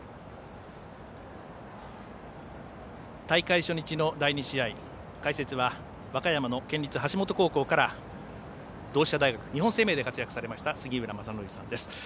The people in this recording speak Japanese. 大会初日の第２試合解説は和歌山の県立橋本高校から同志社大学日本生命で活躍されました杉浦正則さんです。